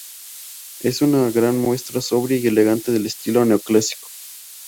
Es una gran muestra sobria y elegante del estilo neoclásico.